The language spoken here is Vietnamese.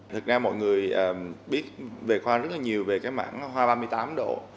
thực ra mọi người biết về khoa rất là nhiều về cái mảng hoa ba mươi tám độ